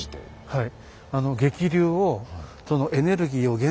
はい。